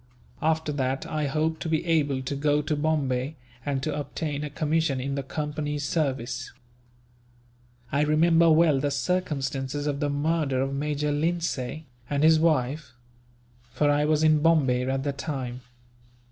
After that, I hope to be able to go to Bombay, and to obtain a commission in the Company's service." "I remember well the circumstances of the murder of Major Lindsay, and his wife; for I was in Bombay at the time.